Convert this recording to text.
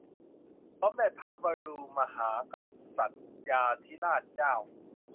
สมเด็จพระบูรพมหากษัตริยาธิราชเจ้า